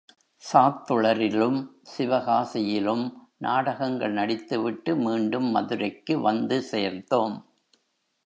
சாத்துளரிலும் சிவகாசியிலும் நாடகங்கள் நடித்துவிட்டு மீண்டும் மதுரைக்கு வந்து சேர்ந்தோம்.